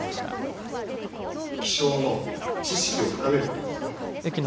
気象の知識を深めることですか？